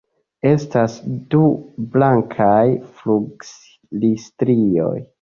Estas du blankaj flugilstrioj.